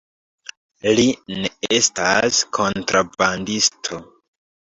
Li ne estas kontrabandisto.